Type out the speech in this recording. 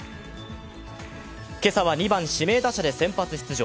今朝は２番・指名打者で先発出場。